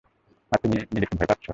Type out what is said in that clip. আর এখন তুমি নিজেকে ভয় পাচ্ছ।